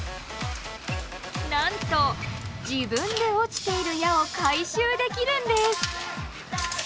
なんと自分で落ちている矢を回収できるんです！